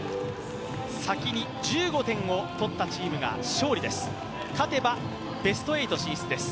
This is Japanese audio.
先に１５点を取ったチームが勝利です。